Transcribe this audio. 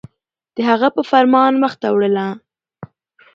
د هغه په فرمان مخ ته وړله